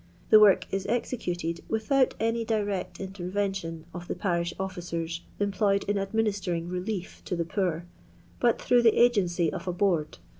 The work is executed without any direct intervention of the parish officen employed in administering reli^ to the poor, but through the agency of a board.